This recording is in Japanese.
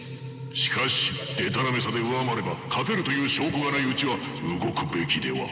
しかしでたらめさで上回れば勝てるという証拠がないうちは動くべきでは。